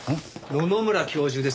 野々村教授ですね？